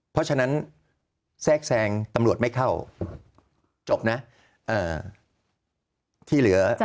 เพราะฉะนั้นแทรกแซงตำรวจไม่เข้าจบนะที่เหลือ